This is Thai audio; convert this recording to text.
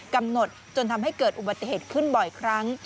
กำหนดจนทำให้เกิดอุบัติเหตุขึ้นบ่อยครั้ง